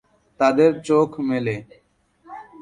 তাদের চোখ মেলে।